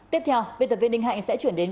tiếp theo viên tập viên đinh hạnh sẽ chuyển đến